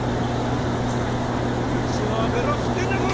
道を空けろっつってんだこら！